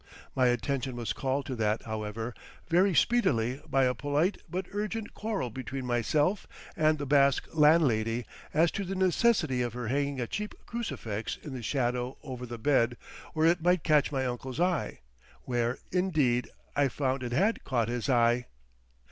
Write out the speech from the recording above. My attention was called to that, however, very speedily by a polite but urgent quarrel between himself and the Basque landlady as to the necessity of her hanging a cheap crucifix in the shadow over the bed, where it might catch my uncle's eye, where, indeed, I found it had caught his eye.